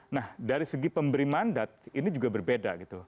nah dari segi pemberi mandat ini juga berbeda gitu